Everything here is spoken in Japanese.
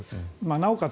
なおかつ